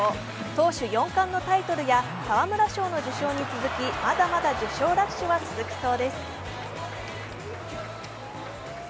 投手４冠のタイトルや沢村賞の受賞に続きまだまだ受賞ラッシュは続きそうです。